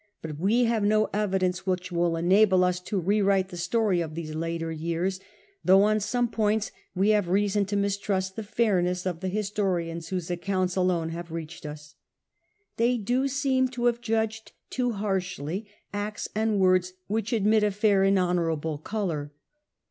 But we have no evidence which will enable us to .. 1 ,, Ancient rewrite the story of these later years, though writers may on some points we have reason to mistrust the fairness of the historians whose accounts opinion of 11 1 1 1 motives alone have reached us. They do seem to in some have judged too harshly acts and words which admit a fair and honourable colour.